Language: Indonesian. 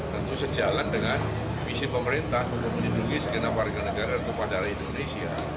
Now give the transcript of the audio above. tentu sejalan dengan misi pemerintah untuk menduduki segenap warga negara atau padara indonesia